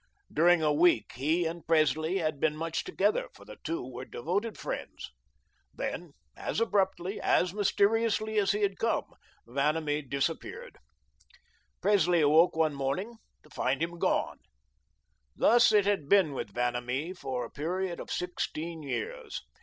During a week he and Presley had been much together, for the two were devoted friends. Then, as abruptly, as mysteriously as he had come, Vanamee disappeared. Presley awoke one morning to find him gone. Thus, it had been with Vanamee for a period of sixteen years.